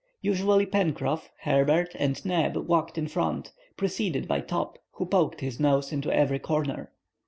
Usually Pencroff, Herbert, and Neb walked in front, preceded by Top, who poked his nose into every corner.